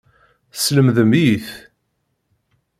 Teslemdem-iyi-t.